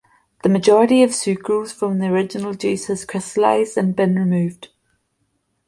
The majority of sucrose from the original juice has crystallized and been removed.